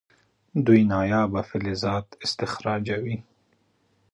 دوی نایابه فلزات استخراجوي.